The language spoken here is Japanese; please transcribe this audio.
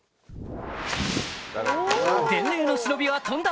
伝令の忍びは飛んだ！